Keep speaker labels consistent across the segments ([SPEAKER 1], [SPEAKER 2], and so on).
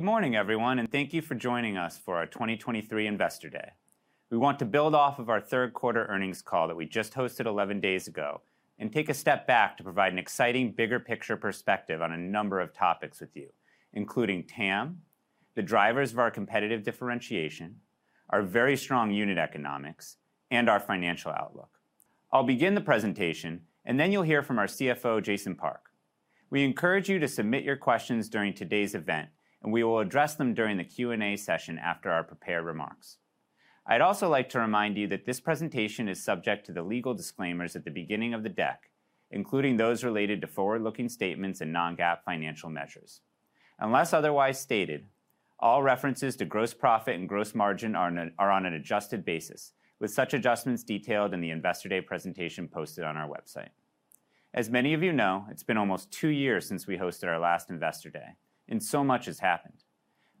[SPEAKER 1] Good morning, everyone, and thank you for joining us for our 2023 Investor Day. We want to build off of our third quarter earnings call that we just hosted 11 days ago and take a step back to provide an exciting, bigger picture perspective on a number of topics with you, including TAM, the drivers of our competitive differentiation, our very strong unit economics, and our financial outlook. I'll begin the presentation, and then you'll hear from our CFO, Jason Park. We encourage you to submit your questions during today's event, and we will address them during the Q&A session after our prepared remarks. I'd also like to remind you that this presentation is subject to the legal disclaimers at the beginning of the deck, including those related to forward-looking statements and non-GAAP financial measures. Unless otherwise stated, all references to gross profit and gross margin are on an adjusted basis, with such adjustments detailed in the Investor Day presentation posted on our website. As many of you know, it's been almost two years since we hosted our last Investor Day, and so much has happened.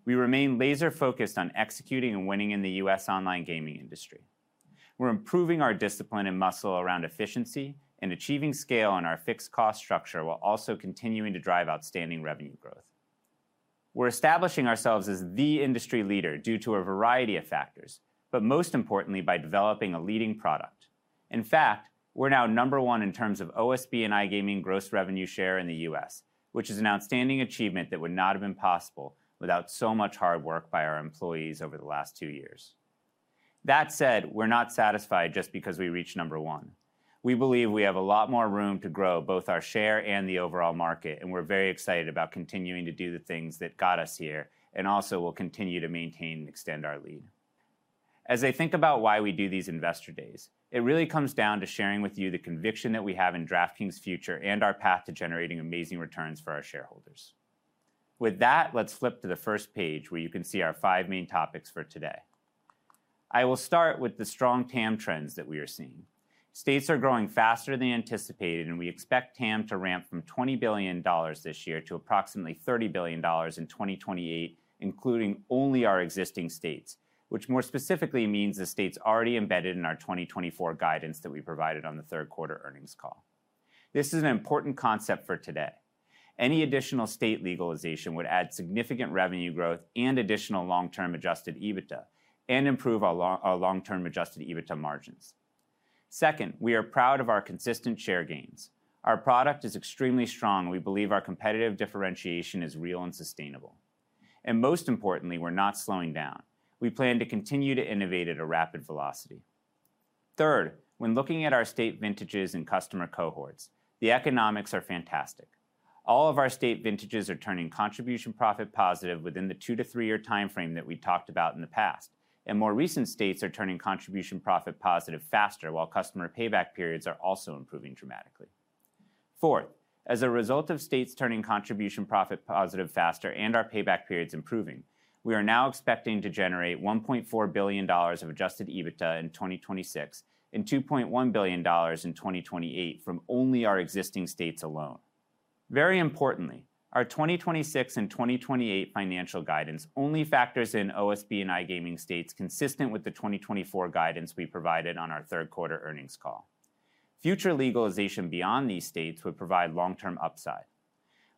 [SPEAKER 1] We remain laser-focused on executing and winning in the U.S. online gaming industry. We're improving our discipline and muscle around efficiency and achieving scale on our fixed cost structure, while also continuing to drive outstanding revenue growth. We're establishing ourselves as the industry leader due to a variety of factors, but most importantly, by developing a leading product. In fact, we're now number one in terms of OSB and iGaming gross revenue share in the U.S., which is an outstanding achievement that would not have been possible without so much hard work by our employees over the last two years. That said, we're not satisfied just because we reached number one. We believe we have a lot more room to grow, both our share and the overall market, and we're very excited about continuing to do the things that got us here and also will continue to maintain and extend our lead. As I think about why we do these Investor Days, it really comes down to sharing with you the conviction that we have in DraftKings' future and our path to generating amazing returns for our shareholders. With that, let's flip to the first page, where you can see our five main topics for today. I will start with the strong TAM trends that we are seeing. States are growing faster than anticipated, and we expect TAM to ramp from $20 billion this year to approximately $30 billion in 2028, including only our existing states, which more specifically means the states already embedded in our 2024 guidance that we provided on the third quarter earnings call. This is an important concept for today. Any additional state legalization would add significant revenue growth and additional long-term adjusted EBITDA and improve our long-term adjusted EBITDA margins. Second, we are proud of our consistent share gains. Our product is extremely strong, and we believe our competitive differentiation is real and sustainable. And most importantly, we're not slowing down. We plan to continue to innovate at a rapid velocity. Third, when looking at our state vintages and customer cohorts, the economics are fantastic. All of our state vintages are turning contribution profit positive within the 2-3-year timeframe that we talked about in the past, and more recent states are turning contribution profit positive faster, while customer payback periods are also improving dramatically. Fourth, as a result of states turning contribution profit positive faster and our payback periods improving, we are now expecting to generate $1.4 billion of adjusted EBITDA in 2026 and $2.1 billion in 2028 from only our existing states alone. Very importantly, our 2026 and 2028 financial guidance only factors in OSB and iGaming states consistent with the 2024 guidance we provided on our third quarter earnings call. Future legalization beyond these states would provide long-term upside.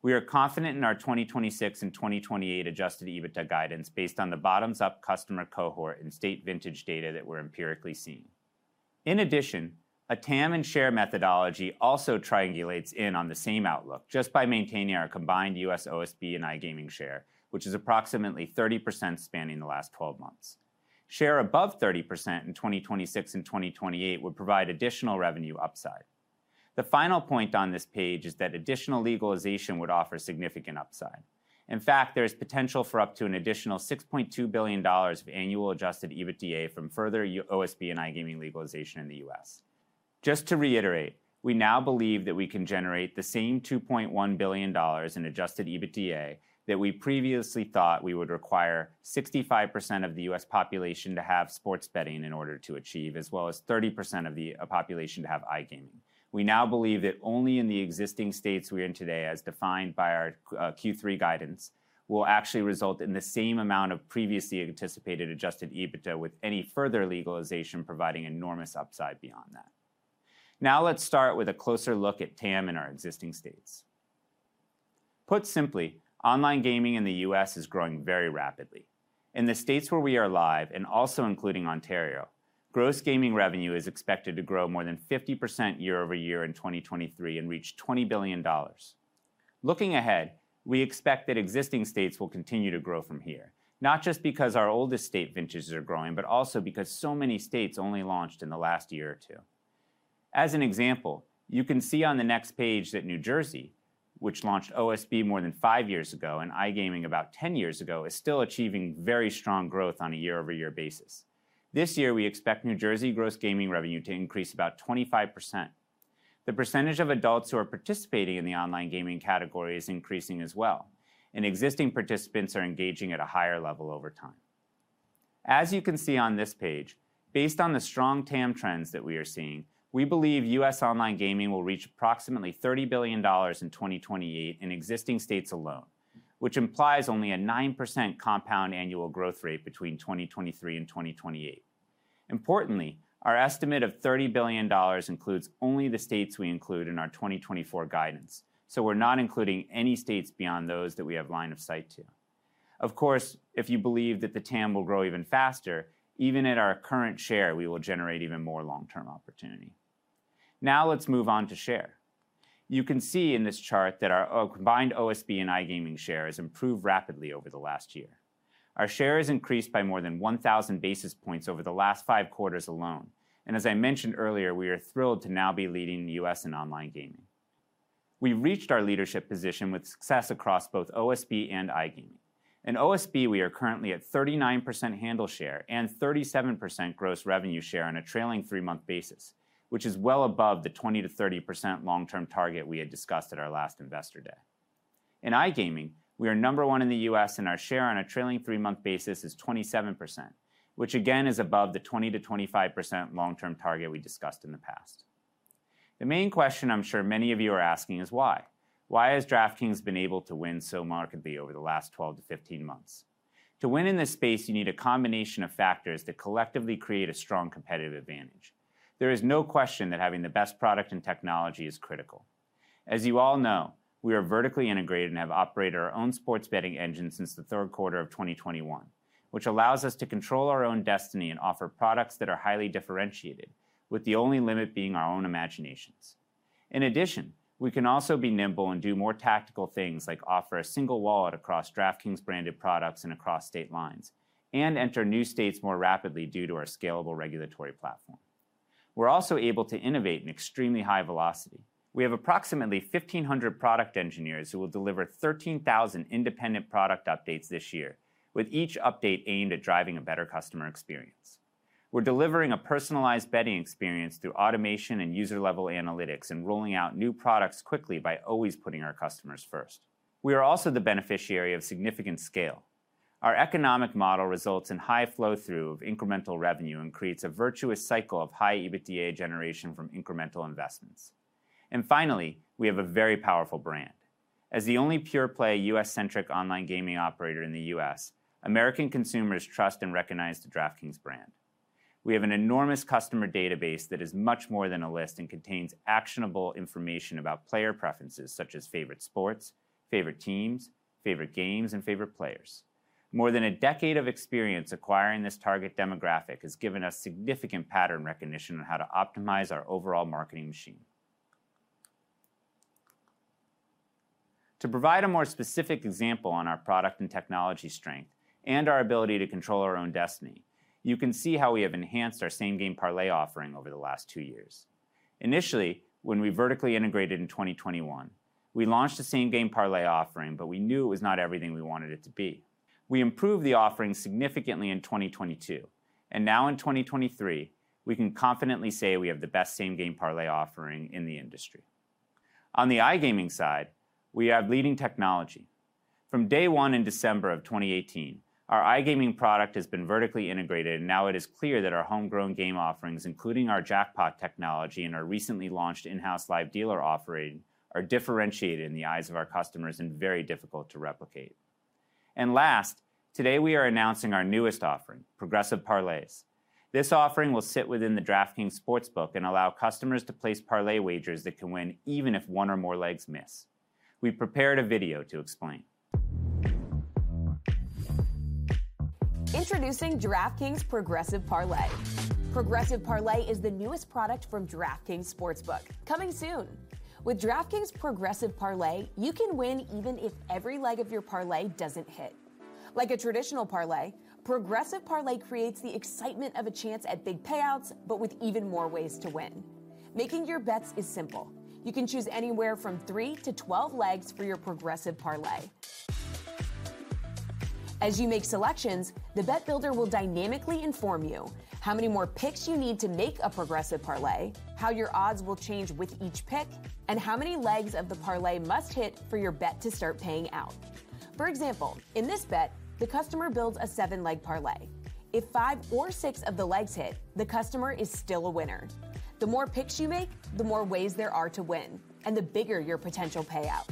[SPEAKER 1] We are confident in our 2026 and 2028 adjusted EBITDA guidance based on the bottoms-up customer cohort and state vintage data that we're empirically seeing. In addition, a TAM and share methodology also triangulates in on the same outlook just by maintaining our combined U.S. OSB and iGaming share, which is approximately 30% spanning the last twelve months. Share above 30% in 2026 and 2028 would provide additional revenue upside. The final point on this page is that additional legalization would offer significant upside. In fact, there is potential for up to an additional $6.2 billion of annual adjusted EBITDA from further OSB and iGaming legalization in the U.S. Just to reiterate, we now believe that we can generate the same $2.1 billion in adjusted EBITDA that we previously thought we would require 65% of the U.S. population to have sports betting in order to achieve, as well as 30% of the population to have iGaming. We now believe that only in the existing states we're in today, as defined by our Q3 guidance, will actually result in the same amount of previously anticipated adjusted EBITDA, with any further legalization providing enormous upside beyond that. Now, let's start with a closer look at TAM in our existing states. Put simply, online gaming in the U.S. is growing very rapidly. In the states where we are live, and also including Ontario, gross gaming revenue is expected to grow more than 50% year-over-year in 2023 and reach $20 billion. Looking ahead, we expect that existing states will continue to grow from here, not just because our oldest state vintages are growing, but also because so many states only launched in the last year or 2. As an example, you can see on the next page that New Jersey, which launched OSB more than 5 years ago and iGaming about 10 years ago, is still achieving very strong growth on a year-over-year basis. This year, we expect New Jersey gross gaming revenue to increase about 25%. The percentage of adults who are participating in the online gaming category is increasing as well, and existing participants are engaging at a higher level over time. As you can see on this page, based on the strong TAM trends that we are seeing, we believe U.S. online gaming will reach approximately $30 billion in 2028 in existing states alone, which implies only a 9% compound annual growth rate between 2023 and 2028. Importantly, our estimate of $30 billion includes only the states we include in our 2024 guidance, so we're not including any states beyond those that we have line of sight to. Of course, if you believe that the TAM will grow even faster, even at our current share, we will generate even more long-term opportunity. Now, let's move on to share. You can see in this chart that our combined OSB and iGaming share has improved rapidly over the last year. Our share has increased by more than 1,000 basis points over the last 5 quarters alone, and as I mentioned earlier, we are thrilled to now be leading the U.S. in online gaming. We reached our leadership position with success across both OSB and iGaming. In OSB, we are currently at 39% Handle share and 37% gross revenue share on a trailing three-month basis, which is well above the 20%-30% long-term target we had discussed at our last Investor Day. In iGaming, we are number one in the U.S., and our share on a trailing three-month basis is 27%, which again is above the 20%-25% long-term target we discussed in the past. The main question I'm sure many of you are asking is why? Why has DraftKings been able to win so markedly over the last 12-15 months? To win in this space, you need a combination of factors that collectively create a strong competitive advantage. There is no question that having the best product and technology is critical. As you all know, we are vertically integrated and have operated our own sports betting engine since the third quarter of 2021, which allows us to control our own destiny and offer products that are highly differentiated, with the only limit being our own imaginations. In addition, we can also be nimble and do more tactical things, like offer a single wallet across DraftKings-branded products and across state lines, and enter new states more rapidly due to our scalable regulatory platform. We're also able to innovate in extremely high velocity. We have approximately 1,500 product engineers who will deliver 13,000 independent product updates this year, with each update aimed at driving a better customer experience. We're delivering a personalized betting experience through automation and user-level analytics and rolling out new products quickly by always putting our customers first. We are also the beneficiary of significant scale. Our economic model results in high flow-through of incremental revenue and creates a virtuous cycle of high EBITDA generation from incremental investments. Finally, we have a very powerful brand. As the only pure-play U.S.-centric online gaming operator in the U.S., American consumers trust and recognize the DraftKings brand. We have an enormous customer database that is much more than a list and contains actionable information about player preferences, such as favorite sports, favorite teams, favorite games, and favorite players. More than a decade of experience acquiring this target demographic has given us significant pattern recognition on how to optimize our overall marketing machine. To provide a more specific example on our product and technology strength and our ability to control our own destiny, you can see how we have enhanced our Same Game Parlay offering over the last two years. Initially, when we vertically integrated in 2021, we launched a Same Game Parlay offering, but we knew it was not everything we wanted it to be. We improved the offering significantly in 2022, and now in 2023, we can confidently say we have the best Same Game Parlay offering in the industry. On the iGaming side, we have leading technology. From day one in December of 2018, our iGaming product has been vertically integrated, and now it is clear that our homegrown game offerings, including our jackpot technology and our recently launched in-house live dealer offering, are differentiated in the eyes of our customers and very difficult to replicate. Last, today, we are announcing our newest offering, Progressive Parlays. This offering will sit within the DraftKings Sportsbook and allow customers to place parlay wagers that can win even if one or more legs miss. We prepared a video to explain.
[SPEAKER 2] Introducing DraftKings Progressive Parlay. Progressive Parlay is the newest product from DraftKings Sportsbook, coming soon. With DraftKings Progressive Parlay, you can win even if every leg of your parlay doesn't hit. Like a traditional parlay, Progressive Parlay creates the excitement of a chance at big payouts but with even more ways to win. Making your bets is simple. You can choose anywhere from 3-12 legs for your Progressive Parlay. As you make selections, the bet builder will dynamically inform you how many more picks you need to make a Progressive Parlay, how your odds will change with each pick, and how many legs of the parlay must hit for your bet to start paying out. For example, in this bet, the customer builds a 7-leg parlay. If 5 or 6 of the legs hit, the customer is still a winner. The more picks you make, the more ways there are to win and the bigger your potential payout.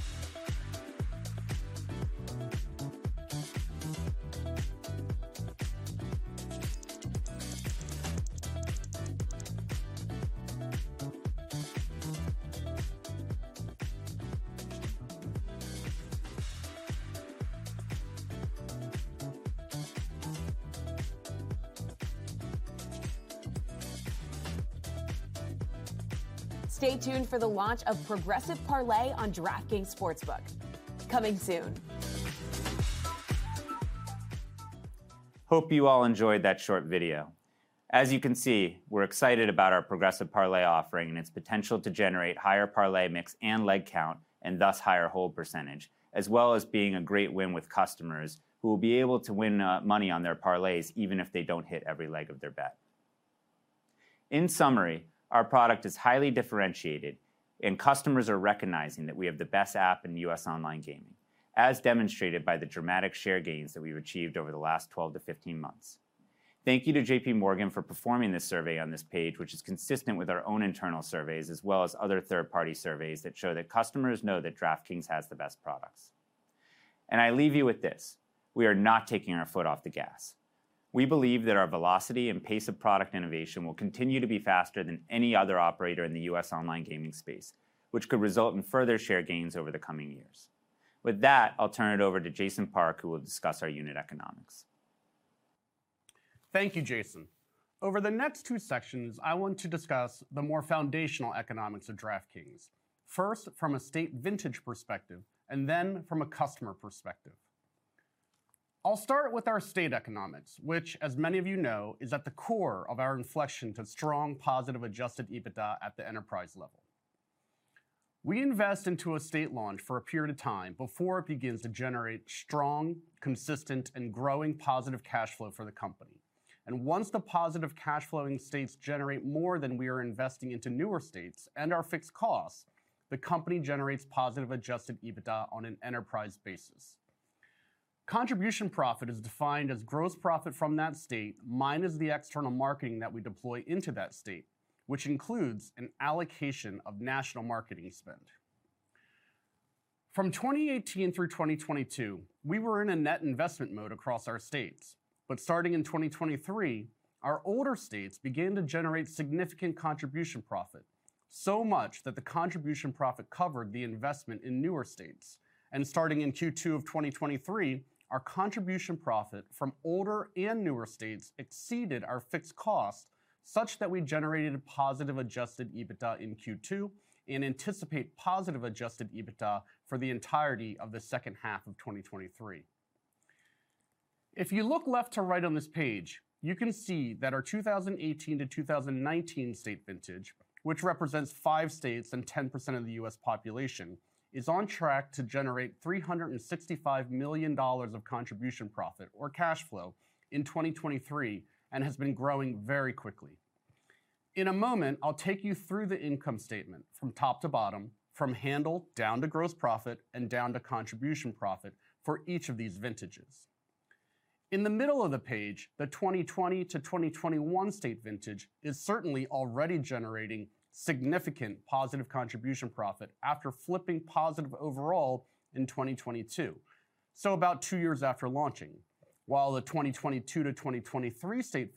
[SPEAKER 2] Stay tuned for the launch of Progressive Parlay on DraftKings Sportsbook, coming soon.
[SPEAKER 1] Hope you all enjoyed that short video. As you can see, we're excited about our Progressive Parlay offering and its potential to generate higher parlay mix and leg count, and thus higher hold percentage, as well as being a great win with customers who will be able to win money on their parlays even if they don't hit every leg of their bet. In summary, our product is highly differentiated, and customers are recognizing that we have the best app in U.S. online gaming, as demonstrated by the dramatic share gains that we've achieved over the last 12-15 months. Thank you to JPMorgan for performing this survey on this page, which is consistent with our own internal surveys, as well as other third-party surveys that show that customers know that DraftKings has the best products.... I leave you with this: we are not taking our foot off the gas. We believe that our velocity and pace of product innovation will continue to be faster than any other operator in the U.S. online gaming space, which could result in further share gains over the coming years. With that, I'll turn it over to Jason Park, who will discuss our unit economics.
[SPEAKER 3] Thank you, Jason. Over the next two sections, I want to discuss the more foundational economics of DraftKings. First, from a state vintage perspective, and then from a customer perspective. I'll start with our state economics, which, as many of you know, is at the core of our inflection to strong, positive, adjusted EBITDA at the enterprise level. We invest into a state launch for a period of time before it begins to generate strong, consistent, and growing positive cash flow for the company. Once the positive cash flow in states generate more than we are investing into newer states and our fixed costs, the company generates positive adjusted EBITDA on an enterprise basis. Contribution profit is defined as gross profit from that state, minus the external marketing that we deploy into that state, which includes an allocation of national marketing spend. From 2018 through 2022, we were in a net investment mode across our states, but starting in 2023, our older states began to generate significant contribution profit. So much that the contribution profit covered the investment in newer states, and starting in Q2 of 2023, our contribution profit from older and newer states exceeded our fixed cost, such that we generated a positive adjusted EBITDA in Q2 and anticipate positive adjusted EBITDA for the entirety of the second half of 2023. If you look left to right on this page, you can see that our 2018 to 2019 state vintage, which represents five states and 10% of the U.S. population, is on track to generate $365 million of contribution profit or cash flow in 2023, and has been growing very quickly. In a moment, I'll take you through the income statement from top to bottom, from Handle down to gross profit and down to contribution profit for each of these vintages. In the middle of the page, the 2020-2021 state vintage is certainly already generating significant positive contribution profit after flipping positive overall in 2022, so about two years after launching. While the 2022-2023 state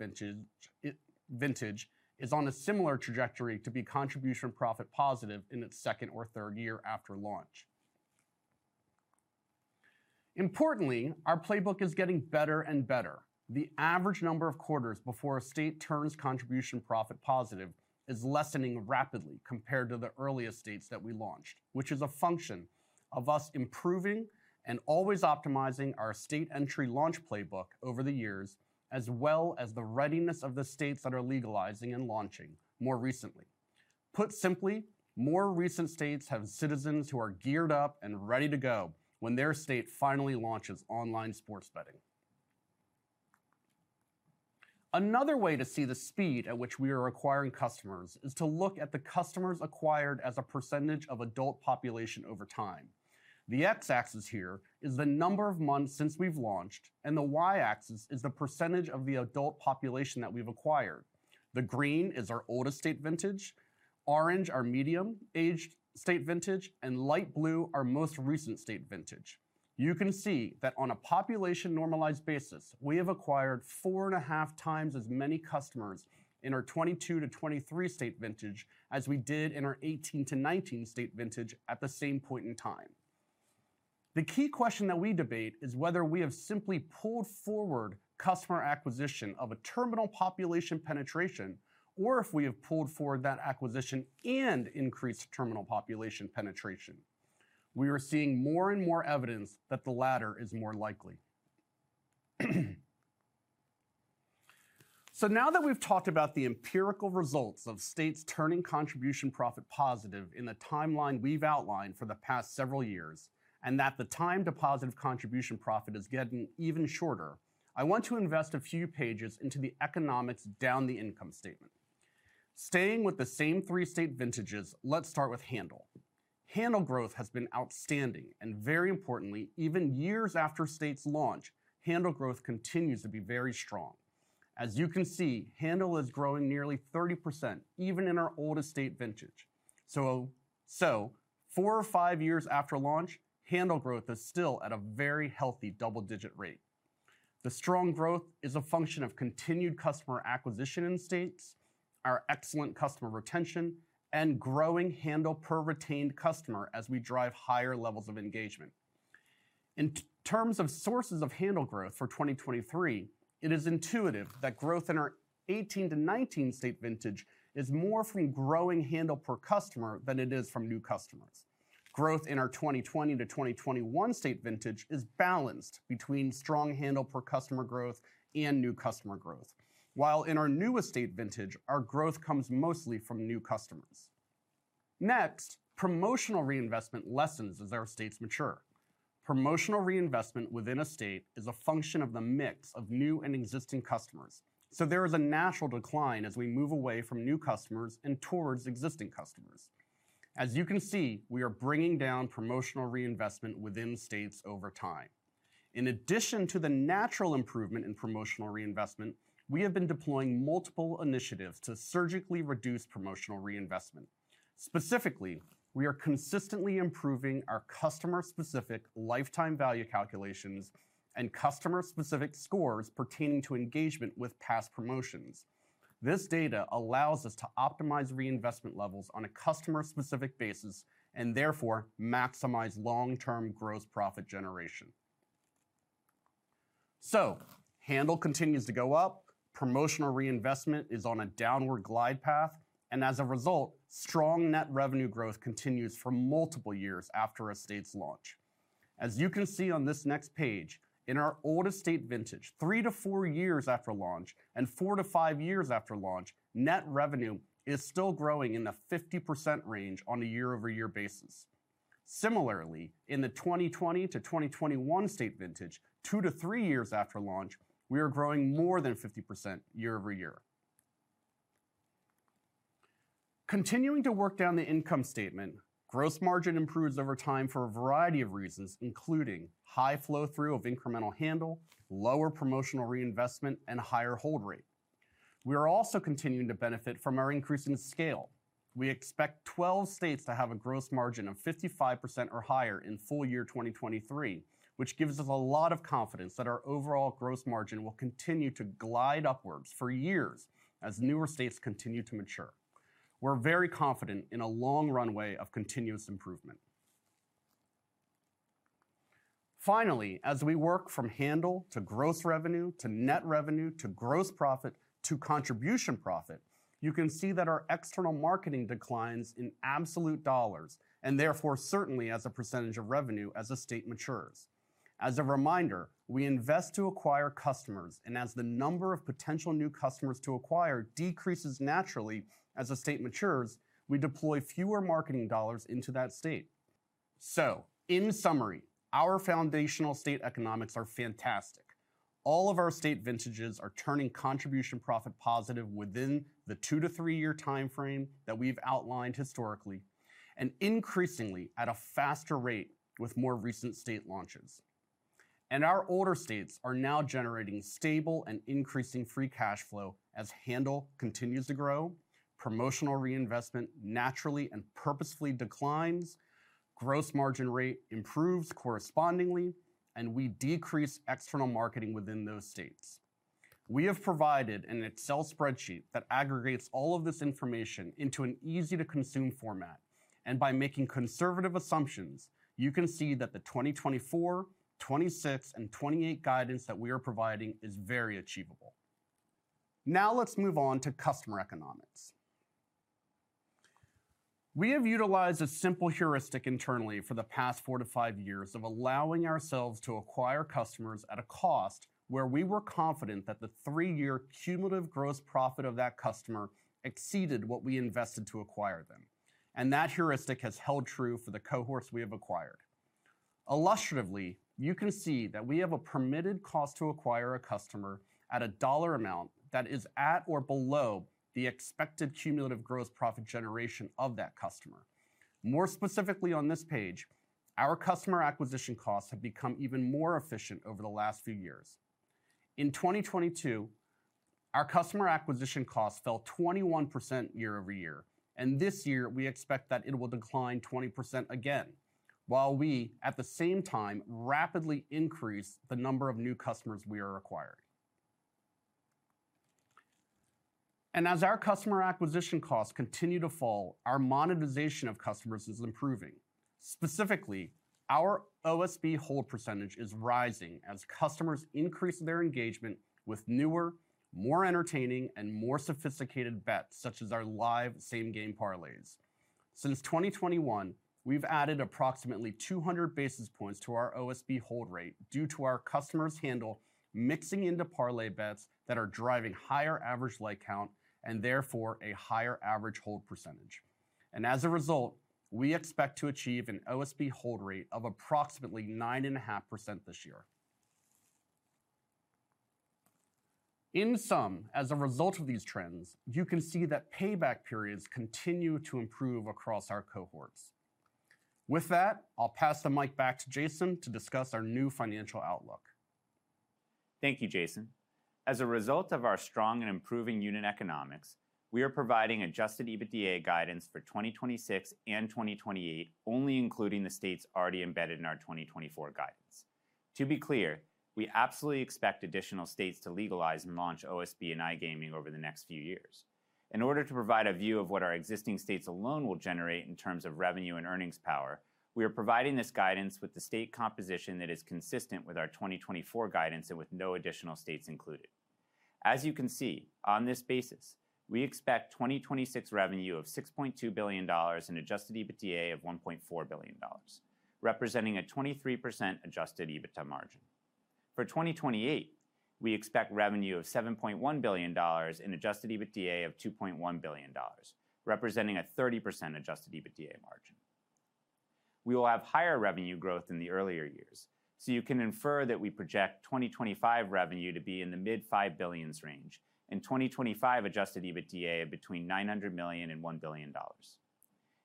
[SPEAKER 3] vintage is on a similar trajectory to be contribution profit positive in its second or third year after launch. Importantly, our playbook is getting better and better. The average number of quarters before a state turns contribution profit positive is lessening rapidly compared to the earliest states that we launched, which is a function of us improving and always optimizing our state entry launch playbook over the years, as well as the readiness of the states that are legalizing and launching more recently. Put simply, more recent states have citizens who are geared up and ready to go when their state finally launches online sports betting. Another way to see the speed at which we are acquiring customers is to look at the customers acquired as a percentage of adult population over time. The x-axis here is the number of months since we've launched, and the y-axis is the percentage of the adult population that we've acquired. The green is our oldest state vintage, orange, our medium-aged state vintage, and light blue, our most recent state vintage. You can see that on a population-normalized basis, we have acquired 4.5 times as many customers in our 2022-2023 state vintage as we did in our 2018-2019 state vintage at the same point in time. The key question that we debate is whether we have simply pulled forward customer acquisition of a terminal population penetration or if we have pulled forward that acquisition and increased terminal population penetration. We are seeing more and more evidence that the latter is more likely. So now that we've talked about the empirical results of states turning contribution profit positive in the timeline we've outlined for the past several years, and that the time to positive contribution profit is getting even shorter, I want to invest a few pages into the economics down the income statement. Staying with the same 3 state vintages, let's start with Handle. Handle growth has been outstanding, and very importantly, even years after states launch, Handle growth continues to be very strong. As you can see, Handle is growing nearly 30%, even in our oldest state vintage. So, four or five years after launch, Handle growth is still at a very healthy double-digit rate. The strong growth is a function of continued customer acquisition in states, our excellent customer retention, and growing Handle per retained customer as we drive higher levels of engagement. In terms of sources of Handle growth for 2023, it is intuitive that growth in our 18-19 state vintage is more from growing Handle per customer than it is from new customers. Growth in our 2020-2021 state vintage is balanced between strong Handle per customer growth and new customer growth. While in our newest state vintage, our growth comes mostly from new customers. Next, promotional reinvestment lessens as our states mature. Promotional reinvestment within a state is a function of the mix of new and existing customers, so there is a natural decline as we move away from new customers and towards existing customers. As you can see, we are bringing down promotional reinvestment within states over time. In addition to the natural improvement in promotional reinvestment, we have been deploying multiple initiatives to surgically reduce promotional reinvestment. Specifically, we are consistently improving our customer-specific lifetime value calculations and customer-specific scores pertaining to engagement with past promotions. This data allows us to optimize reinvestment levels on a customer-specific basis and therefore maximize long-term gross profit generation. So Handle continues to go up, promotional reinvestment is on a downward glide path, and as a result, strong net revenue growth continues for multiple years after a state's launch. As you can see on this next page, in our older state vintage, 3-4 years after launch and 4-5 years after launch, net revenue is still growing in the 50% range on a year-over-year basis. Similarly, in the 2020-2021 state vintage, 2-3 years after launch, we are growing more than 50% year-over-year. Continuing to work down the income statement, gross margin improves over time for a variety of reasons, including high flow-through of incremental Handle, lower promotional reinvestment, and higher hold rate. We are also continuing to benefit from our increase in scale. We expect 12 states to have a gross margin of 55% or higher in full year 2023, which gives us a lot of confidence that our overall gross margin will continue to glide upwards for years as newer states continue to mature. We're very confident in a long runway of continuous improvement. Finally, as we work from Handle to gross revenue, to net revenue, to gross profit, to contribution profit, you can see that our external marketing declines in absolute dollars, and therefore, certainly as a percentage of revenue as a state matures. As a reminder, we invest to acquire customers, and as the number of potential new customers to acquire decreases naturally as a state matures, we deploy fewer marketing dollars into that state. So in summary, our foundational state economics are fantastic. All of our state vintages are turning contribution profit positive within the 2-3-year timeframe that we've outlined historically, and increasingly at a faster rate with more recent state launches. Our older states are now generating stable and increasing free cash flow as Handle continues to grow, promotional reinvestment naturally and purposefully declines, gross margin rate improves correspondingly, and we decrease external marketing within those states. We have provided an Excel spreadsheet that aggregates all of this information into an easy-to-consume format, and by making conservative assumptions, you can see that the 2024, 2026, and 2028 guidance that we are providing is very achievable. Now, let's move on to customer economics. We have utilized a simple heuristic internally for the past 4-5 years of allowing ourselves to acquire customers at a cost where we were confident that the 3-year cumulative gross profit of that customer exceeded what we invested to acquire them, and that heuristic has held true for the cohorts we have acquired. Illustratively, you can see that we have a permitted cost to acquire a customer at a dollar amount that is at or below the expected cumulative gross profit generation of that customer. More specifically, on this page, our customer acquisition costs have become even more efficient over the last few years. In 2022, our customer acquisition costs fell 21% year-over-year, and this year we expect that it will decline 20% again, while we, at the same time, rapidly increase the number of new customers we are acquiring. As our customer acquisition costs continue to fall, our monetization of customers is improving. Specifically, our OSB hold percentage is rising as customers increase their engagement with newer, more entertaining, and more sophisticated bets, such as our live Same Game Parlays. Since 2021, we've added approximately 200 basis points to our OSB hold rate due to our customers' Handle mixing into parlay bets that are driving higher average leg count and therefore a higher average hold percentage. And as a result, we expect to achieve an OSB hold rate of approximately 9.5% this year. In sum, as a result of these trends, you can see that payback periods continue to improve across our cohorts. With that, I'll pass the mic back to Jason to discuss our new financial outlook.
[SPEAKER 1] Thank you, Jason. As a result of our strong and improving unit economics, we are providing adjusted EBITDA guidance for 2026 and 2028, only including the states already embedded in our 2024 guidance. To be clear, we absolutely expect additional states to legalize and launch OSB and iGaming over the next few years. In order to provide a view of what our existing states alone will generate in terms of revenue and earnings power, we are providing this guidance with the state composition that is consistent with our 2024 guidance and with no additional states included. As you can see, on this basis, we expect 2026 revenue of $6.2 billion and adjusted EBITDA of $1.4 billion, representing a 23% adjusted EBITDA margin. For 2028, we expect revenue of $7.1 billion in adjusted EBITDA of $2.1 billion, representing a 30% adjusted EBITDA margin. We will have higher revenue growth in the earlier years, so you can infer that we project 2025 revenue to be in the mid-$5 billion range, and 2025 adjusted EBITDA between $900 million and $1 billion....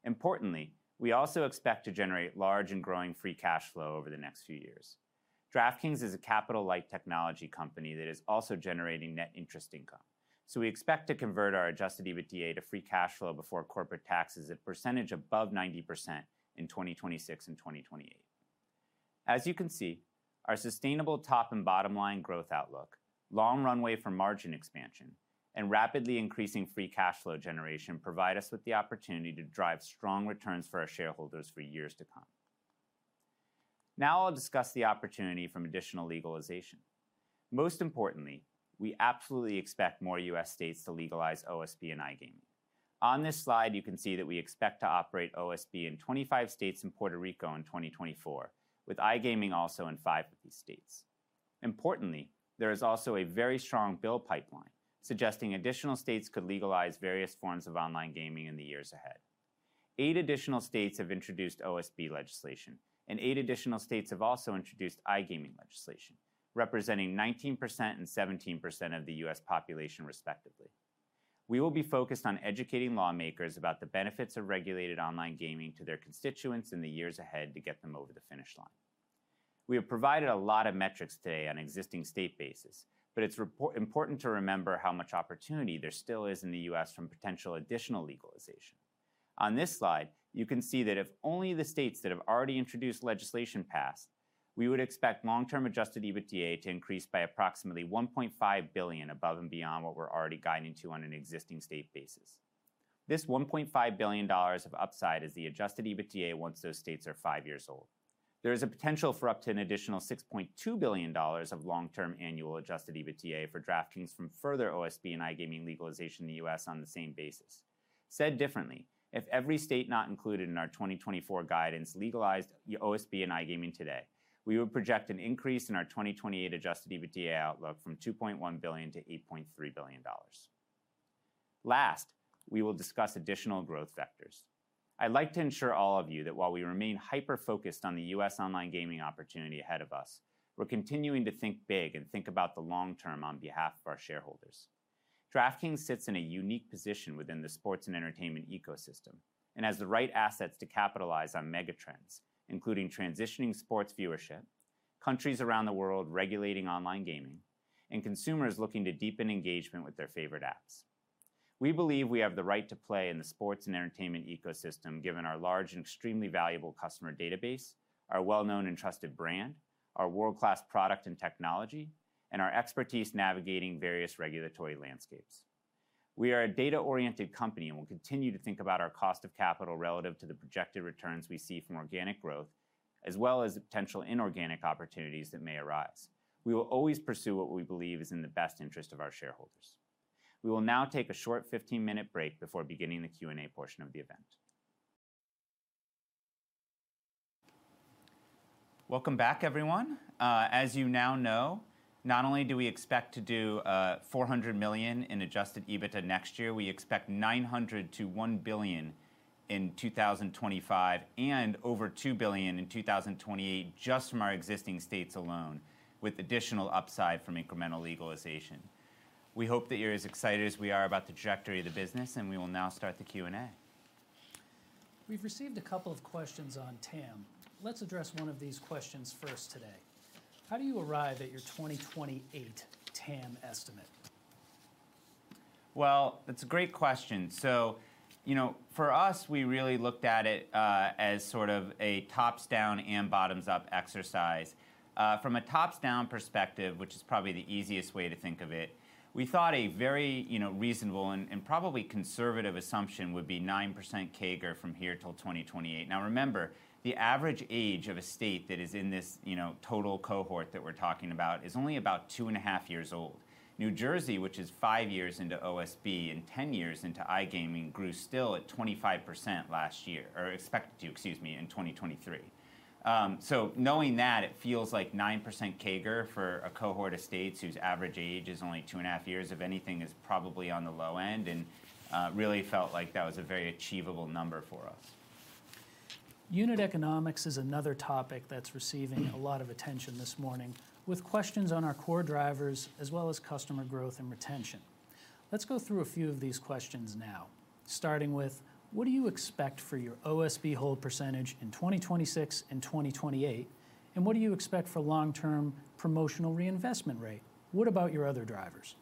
[SPEAKER 1] Importantly, we also expect to generate large and growing free cash flow over the next few years. DraftKings is a capital-light technology company that is also generating net interest income. So we expect to convert our adjusted EBITDA to free cash flow before corporate taxes, a percentage above 90% in 2026 and 2028. As you can see, our sustainable top and bottom line growth outlook, long runway for margin expansion, and rapidly increasing free cash flow generation provide us with the opportunity to drive strong returns for our shareholders for years to come. Now I'll discuss the opportunity from additional legalization. Most importantly, we absolutely expect more U.S. states to legalize OSB and iGaming. On this slide, you can see that we expect to operate OSB in 25 states and Puerto Rico in 2024, with iGaming also in five of these states. Importantly, there is also a very strong bill pipeline, suggesting additional states could legalize various forms of online gaming in the years ahead. Eight additional states have introduced OSB legislation, and eight additional states have also introduced iGaming legislation, representing 19% and 17% of the U.S. population, respectively. We will be focused on educating lawmakers about the benefits of regulated online gaming to their constituents in the years ahead to get them over the finish line. We have provided a lot of metrics today on existing state basis, but it's important to remember how much opportunity there still is in the U.S. from potential additional legalization. On this slide, you can see that if only the states that have already introduced legislation passed, we would expect long-term adjusted EBITDA to increase by approximately $1.5 billion above and beyond what we're already guiding to on an existing state basis. This $1.5 billion of upside is the adjusted EBITDA once those states are five years old. There is a potential for up to an additional $6.2 billion of long-term annual adjusted EBITDA for DraftKings from further OSB and iGaming legalization in the U.S. on the same basis. Said differently, if every state not included in our 2024 guidance legalized OSB and iGaming today, we would project an increase in our 2028 adjusted EBITDA outlook from $2.1 billion-$8.3 billion. Last, we will discuss additional growth vectors. I'd like to ensure all of you that while we remain hyper-focused on the U.S. online gaming opportunity ahead of us, we're continuing to think big and think about the long term on behalf of our shareholders. DraftKings sits in a unique position within the sports and entertainment ecosystem and has the right assets to capitalize on megatrends, including transitioning sports viewership, countries around the world regulating online gaming, and consumers looking to deepen engagement with their favorite apps. We believe we have the right to play in the sports and entertainment ecosystem, given our large and extremely valuable customer database, our well-known and trusted brand, our world-class product and technology, and our expertise navigating various regulatory landscapes. We are a data-oriented company, and we'll continue to think about our cost of capital relative to the projected returns we see from organic growth, as well as the potential inorganic opportunities that may arise. We will always pursue what we believe is in the best interest of our shareholders. We will now take a short 15-minute break before beginning the Q&A portion of the event. Welcome back, everyone. As you now know, not only do we expect to do $400 million in adjusted EBITDA next year, we expect $900 million-$1 billion in 2025, and over $2 billion in 2028 just from our existing states alone, with additional upside from incremental legalization. We hope that you're as excited as we are about the trajectory of the business, and we will now start the Q&A.
[SPEAKER 4] We've received a couple of questions on TAM. Let's address one of these questions first today. How do you arrive at your 2028 TAM estimate?
[SPEAKER 1] Well, it's a great question. So, you know, for us, we really looked at it as sort of a tops-down and bottoms-up exercise. From a tops-down perspective, which is probably the easiest way to think of it, we thought a very, you know, reasonable and probably conservative assumption would be 9% CAGR from here till 2028. Now, remember, the average age of a state that is in this, you know, total cohort that we're talking about is only about two-and-a-half years old. New Jersey, which is 5 years into OSB and 10 years into iGaming, grew still at 25% last year, or expected to, excuse me, in 2023. So knowing that, it feels like 9% CAGR for a cohort of states whose average age is only two-and-a-half years, if anything, is probably on the low end, and really felt like that was a very achievable number for us.
[SPEAKER 4] Unit economics is another topic that's receiving a lot of attention this morning, with questions on our core drivers, as well as customer growth and retention. Let's go through a few of these questions now, starting with: what do you expect for your OSB hold percentage in 2026 and 2028, and what do you expect for long-term promotional reinvestment rate? What about your other drivers?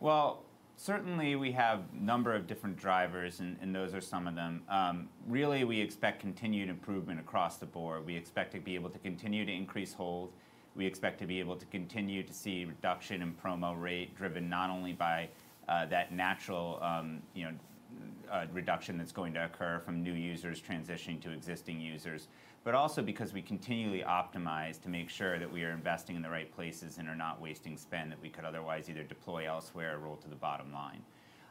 [SPEAKER 1] Well, certainly, we have number of different drivers, and those are some of them. Really, we expect continued improvement across the board. We expect to be able to continue to increase hold. We expect to be able to continue to see reduction in promo rate, driven not only by that natural, you know, reduction that's going to occur from new users transitioning to existing users, but also because we continually optimize to make sure that we are investing in the right places and are not wasting spend that we could otherwise either deploy elsewhere or roll to the bottom line.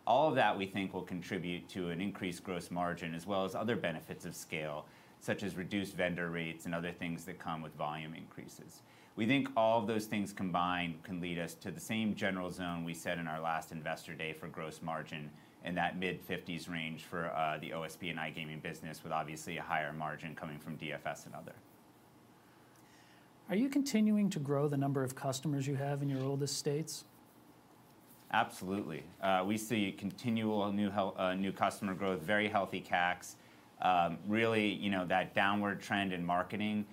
[SPEAKER 1] All of that, we think, will contribute to an increased gross margin, as well as other benefits of scale, such as reduced vendor rates and other things that come with volume increases. We think all of those things combined can lead us to the same general zone we said in our last Investor Day for gross margin in that mid-fifties range for the OSB and iGaming business, with obviously a higher margin coming from DFS and Other....
[SPEAKER 4] Are you continuing to grow the number of customers you have in your oldest states?
[SPEAKER 1] Absolutely. We see continual new customer growth, very healthy CACs. Really, you know, that downward trend in marketing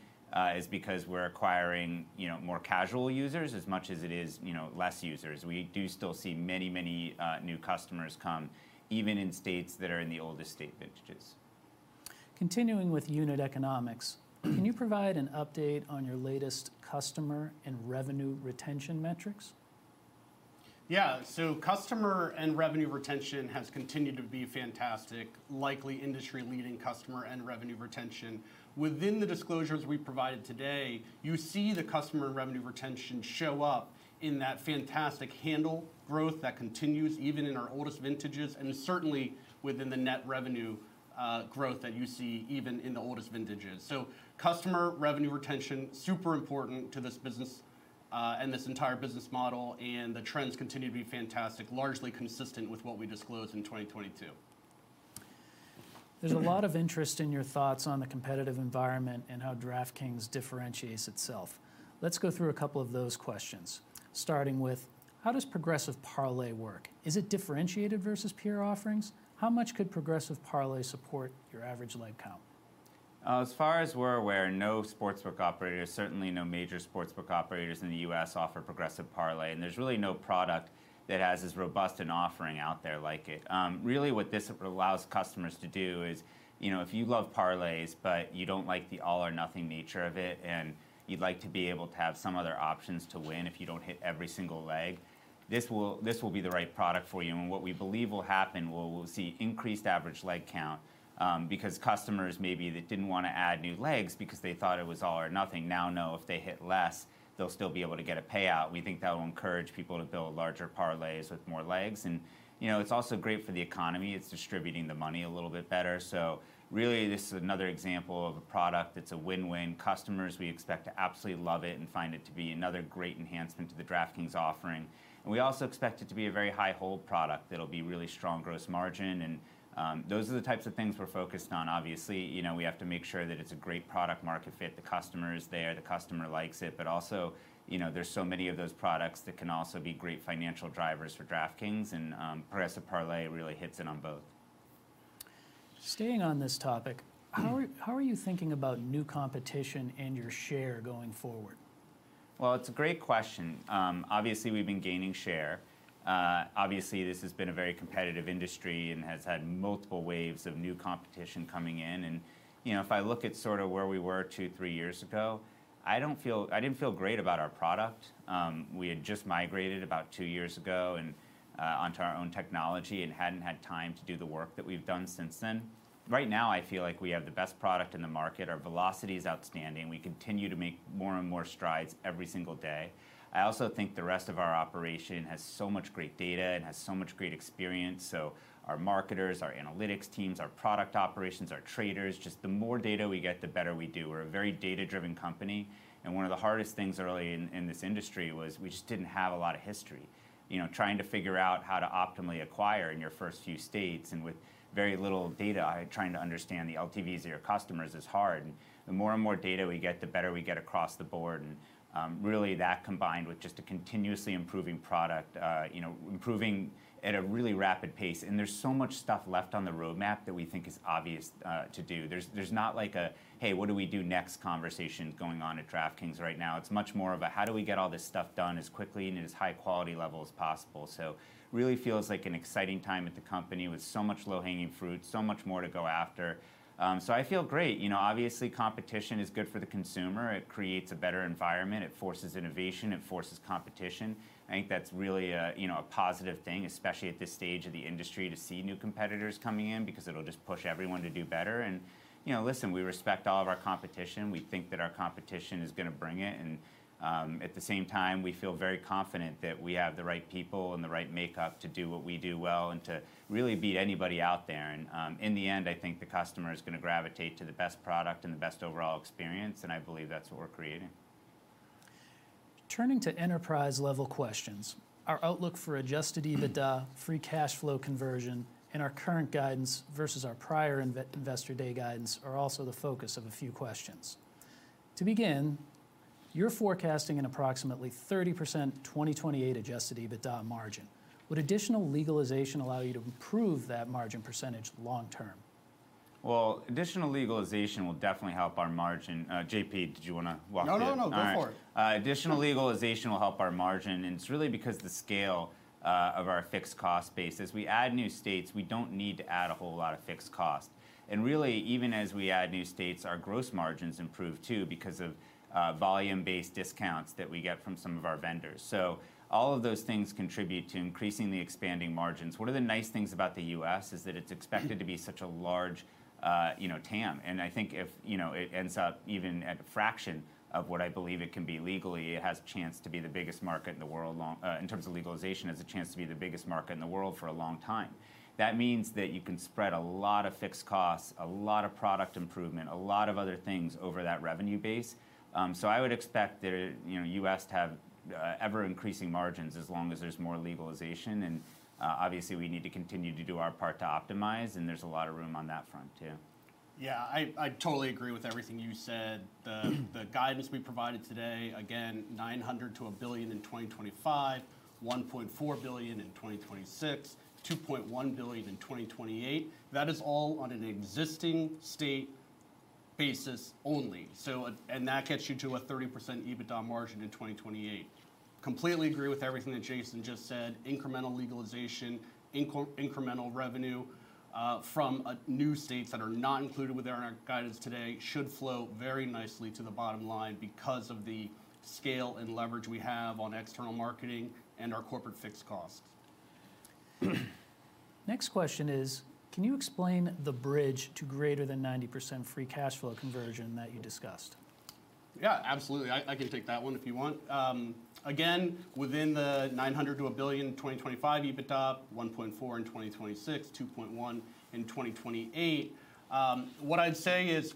[SPEAKER 1] is because we're acquiring, you know, more casual users as much as it is, you know, less users. We do still see many, many new customers come, even in states that are in the oldest state vintages.
[SPEAKER 4] Continuing with unit economics, can you provide an update on your latest customer and revenue retention metrics?
[SPEAKER 3] Yeah. So customer and revenue retention has continued to be fantastic, likely industry-leading customer and revenue retention. Within the disclosures we provided today, you see the customer and revenue retention show up in that fantastic Handle growth that continues even in our oldest vintages, and certainly within the net revenue growth that you see even in the oldest vintages. So customer revenue retention, super important to this business, and this entire business model, and the trends continue to be fantastic, largely consistent with what we disclosed in 2022.
[SPEAKER 4] There's a lot of interest in your thoughts on the competitive environment and how DraftKings differentiates itself. Let's go through a couple of those questions, starting with: How does Progressive Parlay work? Is it differentiated versus peer offerings? How much could Progressive Parlay support your average leg count?
[SPEAKER 1] As far as we're aware, no sportsbook operator, certainly no major sportsbook operators in the U.S., offer Progressive Parlay, and there's really no product that has as robust an offering out there like it. Really, what this allows customers to do is, you know, if you love parlays, but you don't like the all-or-nothing nature of it, and you'd like to be able to have some other options to win if you don't hit every single leg, this will, this will be the right product for you. And what we believe will happen, where we'll see increased average leg count, because customers maybe that didn't want to add new legs because they thought it was all or nothing, now know if they hit less, they'll still be able to get a payout. We think that will encourage people to build larger parlays with more legs. And, you know, it's also great for the economy. It's distributing the money a little bit better. So really, this is another example of a product that's a win-win. Customers, we expect to absolutely love it and find it to be another great enhancement to the DraftKings offering. And we also expect it to be a very high-hold product. It'll be really strong gross margin, and those are the types of things we're focused on. Obviously, you know, we have to make sure that it's a great product-market fit. The customer is there, the customer likes it, but also, you know, there's so many of those products that can also be great financial drivers for DraftKings, and progressive parlay really hits it on both.
[SPEAKER 4] Staying on this topic, how are you thinking about new competition and your share going forward?
[SPEAKER 1] Well, it's a great question. Obviously, we've been gaining share. Obviously, this has been a very competitive industry and has had multiple waves of new competition coming in. And, you know, if I look at sort of where we were two, three years ago, I don't feel... I didn't feel great about our product. We had just migrated about two years ago and onto our own technology and hadn't had time to do the work that we've done since then. Right now, I feel like we have the best product in the market. Our velocity is outstanding. We continue to make more and more strides every single day. I also think the rest of our operation has so much great data and has so much great experience, so our marketers, our analytics teams, our product operations, our traders, just the more data we get, the better we do. We're a very data-driven company, and one of the hardest things early in this industry was we just didn't have a lot of history. You know, trying to figure out how to optimally acquire in your first few states and with very little data, trying to understand the LTVs of your customers is hard. The more and more data we get, the better we get across the board. And, really, that combined with just a continuously improving product, you know, improving at a really rapid pace. And there's so much stuff left on the roadmap that we think is obvious, to do. There's not like a, "Hey, what do we do next?" conversation going on at DraftKings right now. It's much more of a, "How do we get all this stuff done as quickly and in as high quality level as possible?" So really feels like an exciting time at the company with so much low-hanging fruit, so much more to go after. So I feel great. You know, obviously, competition is good for the consumer. It creates a better environment, it forces innovation, it forces competition. I think that's really a, you know, a positive thing, especially at this stage of the industry, to see new competitors coming in, because it'll just push everyone to do better. And, you know, listen, we respect all of our competition. We think that our competition is gonna bring it, and at the same time, we feel very confident that we have the right people and the right makeup to do what we do well and to really beat anybody out there. In the end, I think the customer is gonna gravitate to the best product and the best overall experience, and I believe that's what we're creating.
[SPEAKER 4] Turning to enterprise-level questions, our outlook for adjusted EBITDA, free cash flow conversion, and our current guidance versus our prior Investor Day guidance are also the focus of a few questions. To begin, you're forecasting an approximately 30% 2028 adjusted EBITDA margin. Would additional legalization allow you to improve that margin percentage long term?
[SPEAKER 1] Well, additional legalization will definitely help our margin. JP, did you wanna walk through it?
[SPEAKER 3] No, no, no, go for it.
[SPEAKER 1] All right. Additional legalization will help our margin, and it's really because the scale of our fixed cost base. As we add new states, we don't need to add a whole lot of fixed cost. And really, even as we add new states, our gross margins improve too, because of volume-based discounts that we get from some of our vendors. So all of those things contribute to increasing the expanding margins. One of the nice things about the U.S. is that it's expected to be such a large, you know, TAM, and I think if, you know, it ends up even at a fraction of what I believe it can be legally, it has a chance to be the biggest market in the world long, in terms of legalization, has a chance to be the biggest market in the world for a long time. That means that you can spread a lot of fixed costs, a lot of product improvement, a lot of other things over that revenue base. So I would expect the, you know, U.S. to have ever-increasing margins as long as there's more legalization, and obviously, we need to continue to do our part to optimize, and there's a lot of room on that front, too....
[SPEAKER 3] Yeah, I totally agree with everything you said. The guidance we provided today, again, $900 million-$1 billion in 2025, $1.4 billion in 2026, $2.1 billion in 2028. That is all on an existing state basis only. And that gets you to a 30% EBITDA margin in 2028. Completely agree with everything that Jason just said. Incremental legalization, incremental revenue from new states that are not included with our guidance today, should flow very nicely to the bottom line because of the scale and leverage we have on external marketing and our corporate fixed costs.
[SPEAKER 4] Next question is: Can you explain the bridge to greater than 90% free cash flow conversion that you discussed?
[SPEAKER 3] Yeah, absolutely. I, I can take that one if you want. Again, within the $900 million-$1 billion in 2025, EBITDA $1.4 billion in 2026, $2.1 billion in 2028. What I'd say is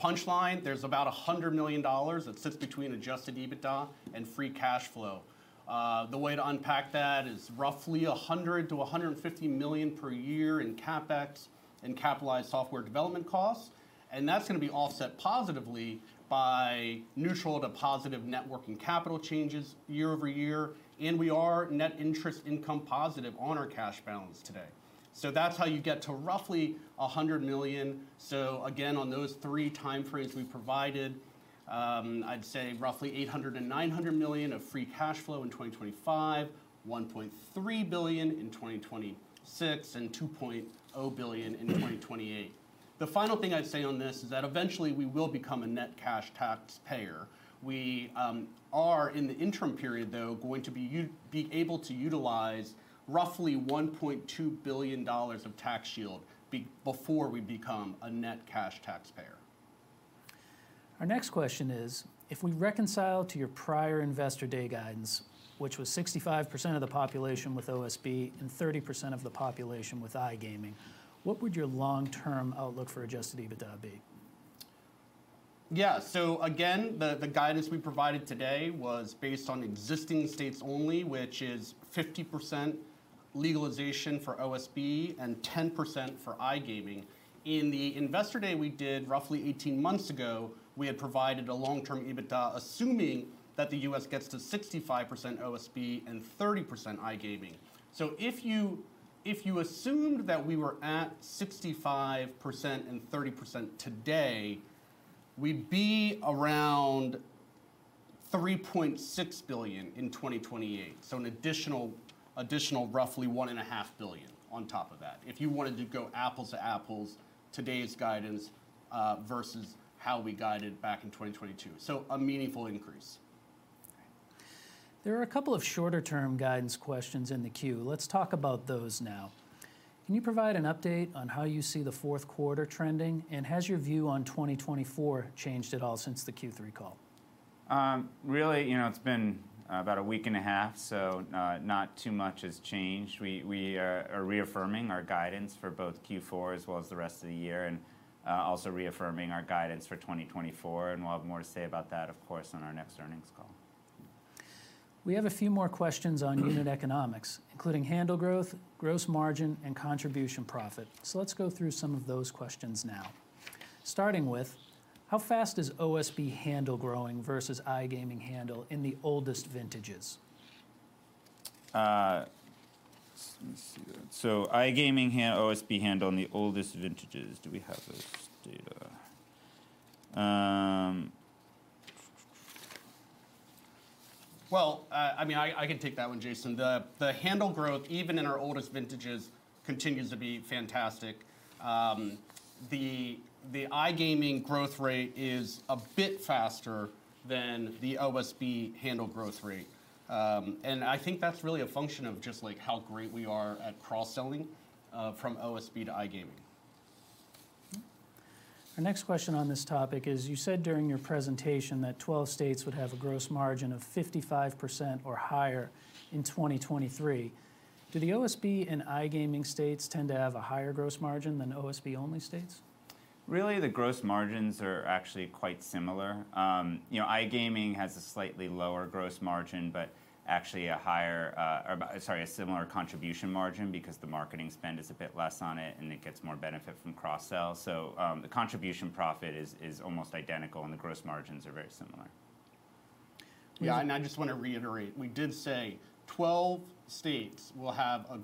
[SPEAKER 3] punchline, there's about $100 million that sits between adjusted EBITDA and free cash flow. The way to unpack that is roughly $100 million-$150 million per year in CapEx and capitalized software development costs, and that's gonna be offset positively by neutral to positive net working capital changes year over year, and we are net interest income positive on our cash balance today. So that's how you get to roughly $100 million. So again, on those three time frames we provided, I'd say roughly $800 million-$900 million of free cash flow in 2025, $1.3 billion in 2026, and $2.0 billion in 2028. The final thing I'd say on this is that eventually we will become a net cash taxpayer. We are, in the interim period, though, going to be able to utilize roughly $1.2 billion of tax shield before we become a net cash taxpayer.
[SPEAKER 4] Our next question is, if we reconcile to your prior Investor Day guidance, which was 65% of the population with OSB and 30% of the population with iGaming, what would your long-term outlook for adjusted EBITDA be?
[SPEAKER 3] Yeah. So again, the guidance we provided today was based on existing states only, which is 50% legalization for OSB and 10% for iGaming. In the Investor Day we did roughly eighteen months ago, we had provided a long-term EBITDA, assuming that the U.S. gets to 65% OSB and 30% iGaming. So if you assumed that we were at 65% and 30% today, we'd be around $3.6 billion in 2028. So an additional roughly $1.5 billion on top of that. If you wanted to go apples to apples, today's guidance versus how we guided back in 2022. So a meaningful increase.
[SPEAKER 4] There are a couple of shorter-term guidance questions in the queue. Let's talk about those now. Can you provide an update on how you see the fourth quarter trending, and has your view on 2024 changed at all since the Q3 call?
[SPEAKER 1] Really, you know, it's been about a week-and-a-half, so not too much has changed. We are reaffirming our guidance for both Q4 as well as the rest of the year, and also reaffirming our guidance for 2024, and we'll have more to say about that, of course, on our next earnings call.
[SPEAKER 4] We have a few more questions on unit economics, including Handle growth, gross margin, and contribution profit. So let's go through some of those questions now. Starting with, how fast is OSB Handle growing versus iGaming Handle in the oldest vintages?
[SPEAKER 1] Let me see that. So iGaming and OSB Handle in the oldest vintages, do we have those data?
[SPEAKER 3] Well, I mean, I can take that one, Jason. The Handle growth, even in our oldest vintages, continues to be fantastic. The iGaming growth rate is a bit faster than the OSB Handle growth rate. And I think that's really a function of just, like, how great we are at cross-selling, from OSB to iGaming.
[SPEAKER 4] Our next question on this topic is, you said during your presentation that 12 states would have a gross margin of 55% or higher in 2023. Do the OSB and iGaming states tend to have a higher gross margin than OSB-only states?
[SPEAKER 1] Really, the gross margins are actually quite similar. You know, iGaming has a slightly lower gross margin, but actually a higher, or sorry, a similar contribution margin because the marketing spend is a bit less on it, and it gets more benefit from cross-sell. So, the contribution profit is almost identical, and the gross margins are very similar.
[SPEAKER 3] Yeah, and I just wanna reiterate, we did say 12 states will have a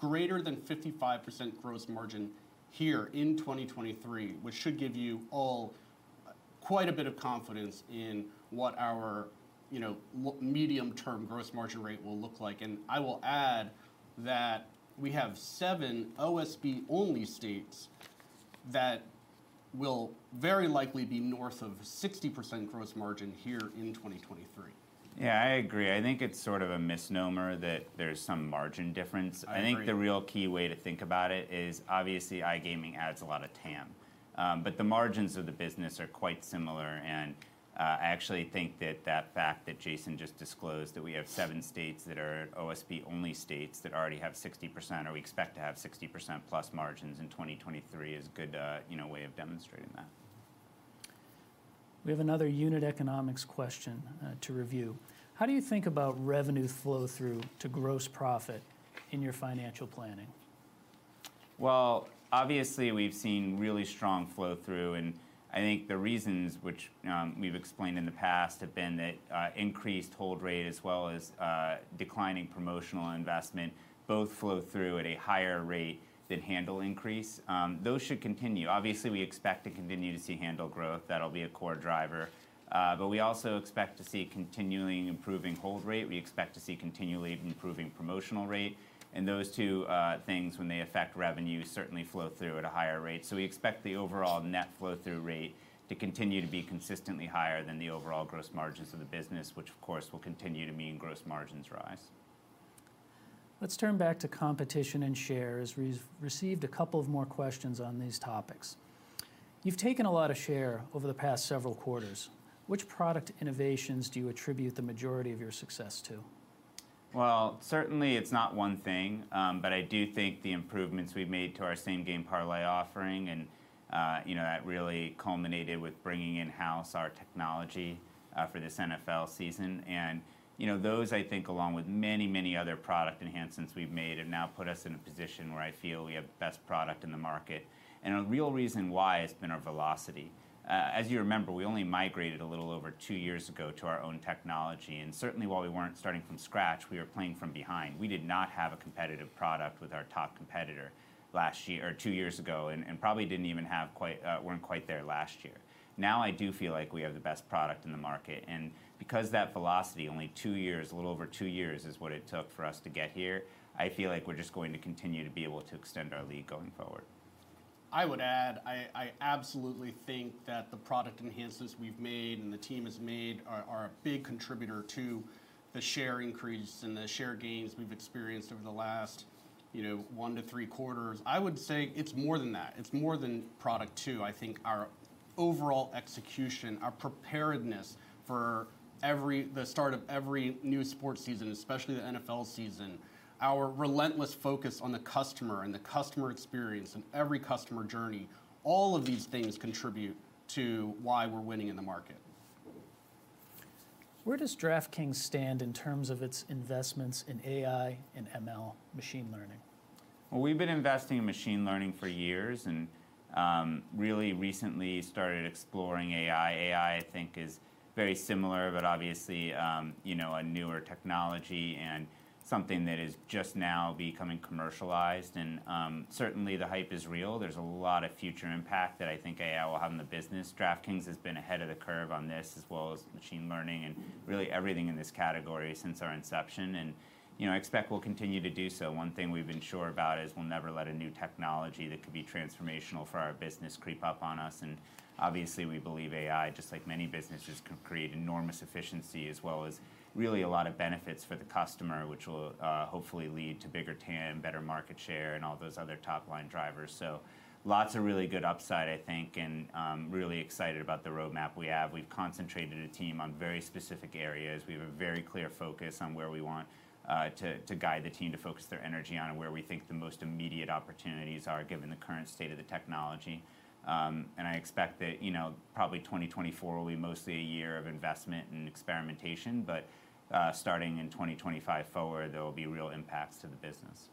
[SPEAKER 3] greater than 55% gross margin here in 2023, which should give you all quite a bit of confidence in what our, you know, what medium-term gross margin rate will look like. And I will add that we have 7 OSB-only states that will very likely be north of 60% gross margin here in 2023.
[SPEAKER 1] Yeah, I agree. I think it's sort of a misnomer that there's some margin difference.
[SPEAKER 3] I agree.
[SPEAKER 1] I think the real key way to think about it is, obviously, iGaming adds a lot of TAM. But the margins of the business are quite similar, and, I actually think that that fact that Jason just disclosed, that we have 7 states that are OSB-only states that already have 60%, or we expect to have 60%+ margins in 2023, is good, you know, way of demonstrating that. ...
[SPEAKER 4] We have another unit economics question, to review: How do you think about revenue flow-through to gross profit in your financial planning?
[SPEAKER 1] Well, obviously, we've seen really strong flow-through, and I think the reasons which we've explained in the past have been that increased hold rate as well as declining promotional investment both flow through at a higher rate than Handle increase. Those should continue. Obviously, we expect to continue to see Handle growth. That'll be a core driver. But we also expect to see continuing improving hold rate. We expect to see continually improving promotional rate, and those two things, when they affect revenue, certainly flow through at a higher rate. So we expect the overall net flow-through rate to continue to be consistently higher than the overall gross margins of the business, which of course, will continue to mean gross margins rise.
[SPEAKER 4] Let's turn back to competition and shares. We've received a couple of more questions on these topics. You've taken a lot of share over the past several quarters. Which product innovations do you attribute the majority of your success to?
[SPEAKER 1] Well, certainly it's not one thing, but I do think the improvements we've made to our Same Game Parlay offering and, you know, that really culminated with bringing in-house our technology for this NFL season. And, you know, those, I think, along with many, many other product enhancements we've made, have now put us in a position where I feel we have the best product in the market, and a real reason why has been our velocity. As you remember, we only migrated a little over two years ago to our own technology, and certainly, while we weren't starting from scratch, we were playing from behind. We did not have a competitive product with our top competitor last year or two years ago, and probably weren't quite there last year. Now, I do feel like we have the best product in the market, and because that velocity, only 2 years, a little over 2 years, is what it took for us to get here, I feel like we're just going to continue to be able to extend our lead going forward.
[SPEAKER 3] I would add, I absolutely think that the product enhancements we've made and the team has made are a big contributor to the share increase and the share gains we've experienced over the last, you know, one to three quarters. I would say it's more than that. It's more than product, too. I think our overall execution, our preparedness for every... the start of every new sports season, especially the NFL season, our relentless focus on the customer and the customer experience and every customer journey, all of these things contribute to why we're winning in the market.
[SPEAKER 4] Where does DraftKings stand in terms of its investments in AI and ML, machine learning?
[SPEAKER 1] Well, we've been investing in machine learning for years and, really recently started exploring AI. AI, I think, is very similar, but obviously, you know, a newer technology and something that is just now becoming commercialized and, certainly the hype is real. There's a lot of future impact that I think AI will have on the business. DraftKings has been ahead of the curve on this, as well as machine learning and really everything in this category since our inception, and, you know, I expect we'll continue to do so. One thing we've been sure about is we'll never let a new technology that could be transformational for our business creep up on us. Obviously, we believe AI, just like many businesses, could create enormous efficiency as well as really a lot of benefits for the customer, which will hopefully lead to bigger TAM, better market share, and all those other top-line drivers. So lots of really good upside, I think, and really excited about the roadmap we have. We've concentrated a team on very specific areas. We have a very clear focus on where we want to guide the team to focus their energy on and where we think the most immediate opportunities are, given the current state of the technology. And I expect that, you know, probably 2024 will be mostly a year of investment and experimentation, but starting in 2025 forward, there will be real impacts to the business.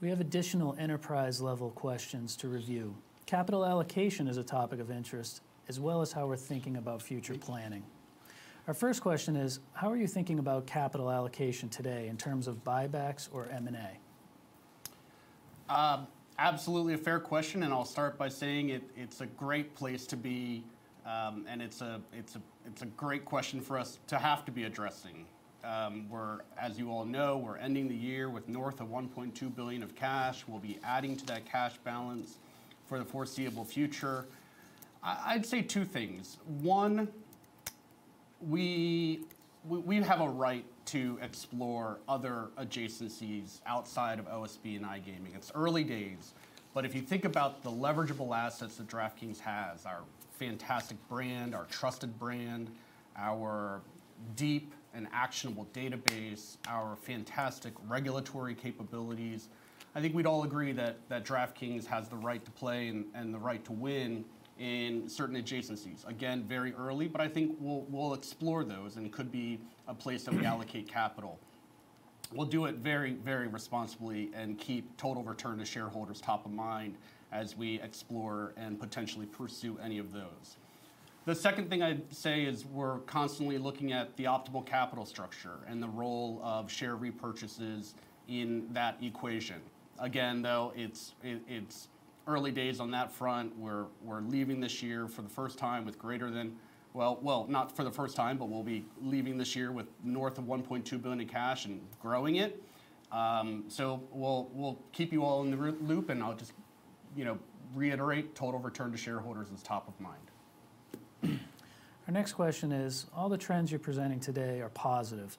[SPEAKER 4] We have additional enterprise-level questions to review. Capital allocation is a topic of interest, as well as how we're thinking about future planning. Our first question is: How are you thinking about capital allocation today in terms of buybacks or M&A?
[SPEAKER 3] Absolutely a fair question, and I'll start by saying it, it's a great place to be, and it's a great question for us to have to be addressing. As you all know, we're ending the year with north of $1.2 billion of cash. We'll be adding to that cash balance for the foreseeable future. I'd say two things: one, we have a right to explore other adjacencies outside of OSB and iGaming. It's early days, but if you think about the leverageable assets that DraftKings has, our fantastic brand, our trusted brand, our deep and actionable database, our fantastic regulatory capabilities, I think we'd all agree that DraftKings has the right to play and the right to win in certain adjacencies. Again, very early, but I think we'll explore those, and it could be a place that we allocate capital. We'll do it very, very responsibly and keep total return to shareholders top of mind as we explore and potentially pursue any of those. The second thing I'd say is we're constantly looking at the optimal capital structure and the role of share repurchases in that equation. Again, though, it's early days on that front. We're leaving this year for the first time with greater than... well, well, not for the first time, but we'll be leaving this year with north of $1.2 billion in cash and growing it. So we'll keep you all in the loop, and I'll just, you know, reiterate, total return to shareholders is top of mind.
[SPEAKER 4] Our next question is: All the trends you're presenting today are positive.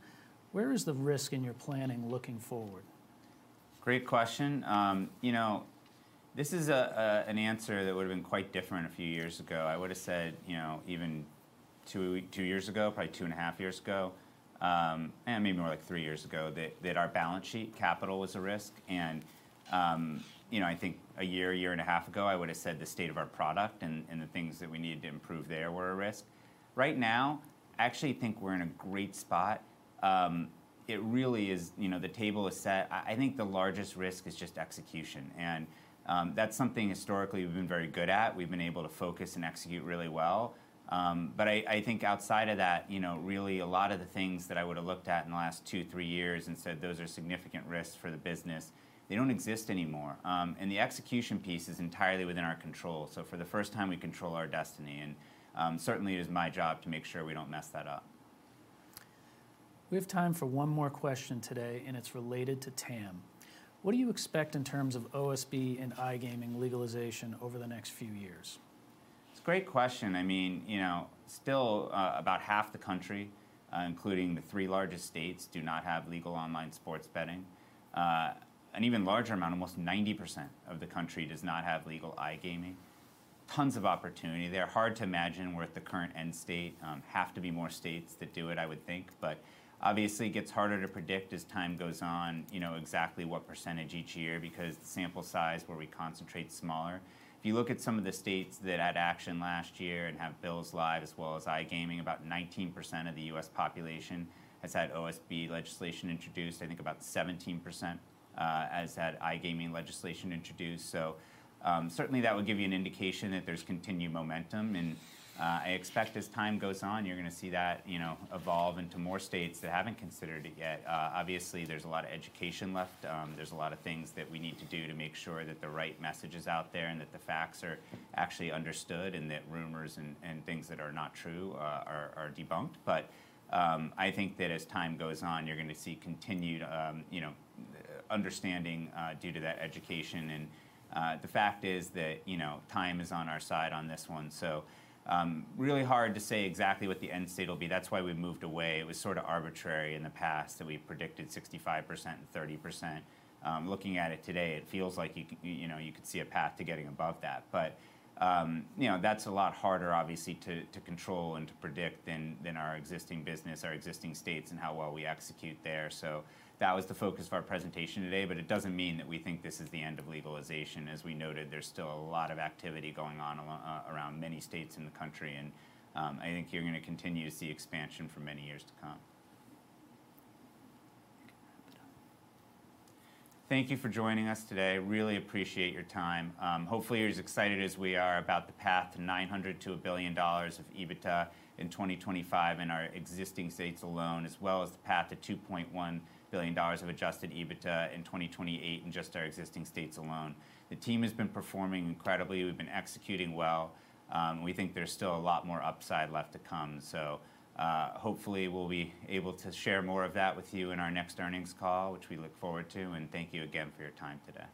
[SPEAKER 4] Where is the risk in your planning looking forward?
[SPEAKER 1] Great question. You know, this is an answer that would've been quite different a few years ago. I would've said, you know, two years ago, probably two-and-a-half years ago, and maybe more like three years ago, that our balance sheet capital was a risk. And, you know, I think a year and a year-and-a-half ago, I would've said the state of our product and the things that we needed to improve there were a risk. Right now, I actually think we're in a great spot. It really is, you know, the table is set. I think the largest risk is just execution, and that's something historically we've been very good at. We've been able to focus and execute really well. But I think outside of that, you know, really a lot of the things that I would've looked at in the last 2, 3 years and said, "Those are significant risks for the business," they don't exist anymore. And the execution piece is entirely within our control, so for the first time, we control our destiny, and certainly it is my job to make sure we don't mess that up.
[SPEAKER 4] We have time for one more question today, and it's related to TAM. What do you expect in terms of OSB and iGaming legalization over the next few years?
[SPEAKER 1] It's a great question. I mean, you know, still, about half the country, including the three largest states, do not have legal online sports betting. An even larger amount, almost 90% of the country, does not have legal iGaming. Tons of opportunity there. Hard to imagine we're at the current end state. Have to be more states that do it, I would think, but obviously it gets harder to predict as time goes on, you know, exactly what percentage each year, because the sample size where we concentrate is smaller. If you look at some of the states that had action last year and have bills live, as well as iGaming, about 19% of the U.S. population has had OSB legislation introduced. I think about 17% has had iGaming legislation introduced, so, certainly that would give you an indication that there's continued momentum, and, I expect as time goes on, you're gonna see that, you know, evolve into more states that haven't considered it yet. Obviously, there's a lot of education left. There's a lot of things that we need to do to make sure that the right message is out there, and that the facts are actually understood, and that rumors and things that are not true, are debunked. But, I think that as time goes on, you're going to see continued, you know, understanding, due to that education. And, the fact is that, you know, time is on our side on this one. So, really hard to say exactly what the end state will be. That's why we've moved away. It was sort of arbitrary in the past that we predicted 65% and 30%. Looking at it today, it feels like you know, you could see a path to getting above that. But you know, that's a lot harder, obviously, to control and to predict than our existing business, our existing states, and how well we execute there. So that was the focus of our presentation today, but it doesn't mean that we think this is the end of legalization. As we noted, there's still a lot of activity going on around many states in the country, and I think you're going to continue to see expansion for many years to come. Thank you for joining us today. Really appreciate your time. Hopefully, you're as excited as we are about the path to $900 million-$1 billion of EBITDA in 2025 in our existing states alone, as well as the path to $2.1 billion of adjusted EBITDA in 2028 in just our existing states alone. The team has been performing incredibly. We've been executing well. We think there's still a lot more upside left to come. So, hopefully, we'll be able to share more of that with you in our next earnings call, which we look forward to, and thank you again for your time today.